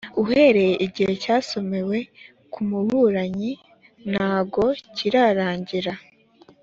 uhereye igihe cyasomewe ku muburanyi ntago kirarangira.